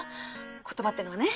言葉ってのはね